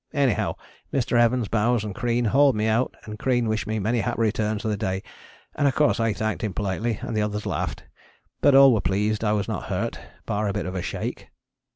Anyhow Mr. Evans, Bowers and Crean hauled me out and Crean wished me many happy returns of the day, and of course I thanked him politely and the others laughed, but all were pleased I was not hurt bar a bit of a shake.